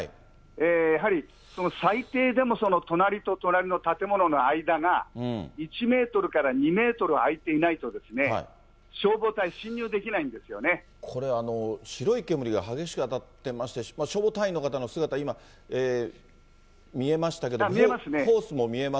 やはり最低でも隣と隣の建物の間が、１メートルから２メートルあいていないと、消防隊、進入できないこれ、白い煙が激しくなってまして、消防隊員の方の姿、今、見えましたけど。